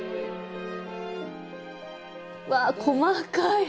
うわ細かい！